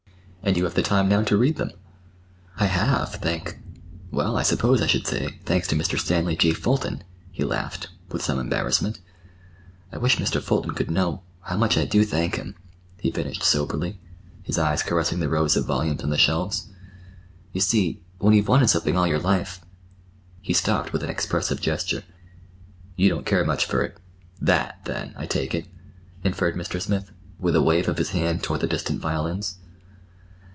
"And you have the time now to read them." "I have, thank—Well, I suppose I should say thanks to Mr. Stanley G. Fulton," he laughed, with some embarrassment. "I wish Mr. Fulton could know—how much I do thank him," he finished soberly, his eyes caressing the rows of volumes on the shelves. "You see, when you've wanted something all your life—" He stopped with an expressive gesture. "You don't care much for—that, then, I take it," inferred Mr. Smith, with a wave of his hand toward the distant violins.